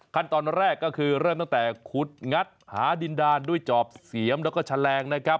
ขั้นตอนแรกก็คือเริ่มตั้งแต่ขุดงัดหาดินดานด้วยจอบเสียมแล้วก็แฉลงนะครับ